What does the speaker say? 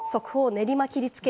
練馬区切りつけ。